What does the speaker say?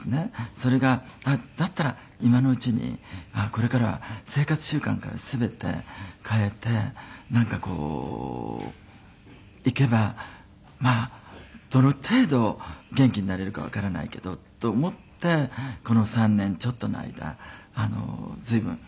それがだったら今のうちにこれからは生活習慣から全て変えていけばまあどの程度元気になれるかわからないけどと思ってこの３年ちょっとの間随分生活を変えていったんです。